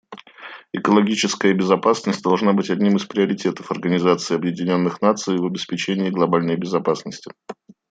Экологическая безопасность должна быть одним из приоритетов Организации Объединенных Наций в обеспечении глобальной безопасности.